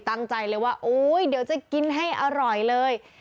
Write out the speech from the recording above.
ตั้งใจเลยว่าโอ๊ยเดี๋ยวจะกินให้อร่อยเลย